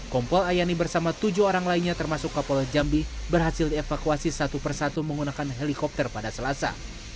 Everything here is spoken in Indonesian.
kompol ayani bersama tujuh orang lainnya termasuk kapol jambi berhasil dievakuasi satu persatu menggunakan helikopter pada selasa